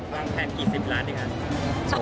บ้านแทนกี่สิบล้านเนี่ยครับ